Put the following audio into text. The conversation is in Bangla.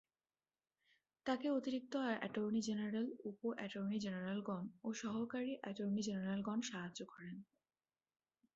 তাকে অতিরিক্ত অ্যাটর্নি জেনারেল, উপ-অ্যাটর্নি জেনারেলগণ ও সহকারী অ্যাটর্নি জেনারেলগণ সাহায্য করেন।